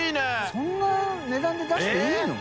そんな値段で出していいの？